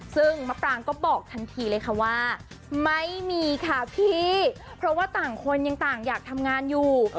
ซึ่งมะปรางก็บอกทันทีเลยค่ะว่าไม่มีค่ะพี่เพราะว่าต่างคนยังต่างอยากทำงานอยู่